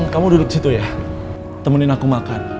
kamu duduk di situ ya temenin aku makan